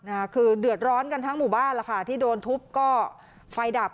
นะคะคือเดือดร้อนกันทั้งหมู่บ้านล่ะค่ะที่โดนทุบก็ไฟดับ